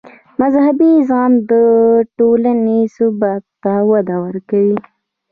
مذهبي زغم د ټولنې ثبات ته وده ورکوي.